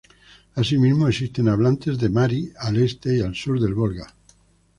Asimismo existen hablantes de mari al este y al sur del Volga.